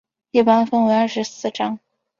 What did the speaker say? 一般分为二十四章。